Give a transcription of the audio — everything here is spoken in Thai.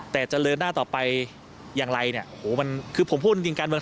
แต่จะเดินหน้าต่อไปอย่างไรนี่โหคือผมพูดจริงกัน